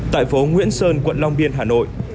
tại phố nguyễn sơn quận long biên hà nội